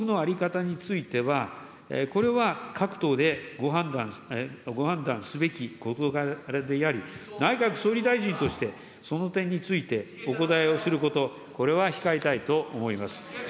党議こうそくの在り方については、これは各党でご判断すべき事柄であり、内閣総理大臣として、その点についてお答えをすること、これは控えたいと思います。